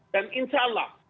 dan insya allah